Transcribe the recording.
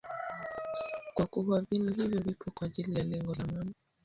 kwa kuwa vinu hivyo vipo kwa ajili ya lengo la amani